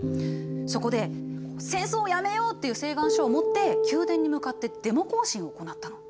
そこで「戦争をやめよう」っていう請願書を持って宮殿に向かってデモ行進を行ったの。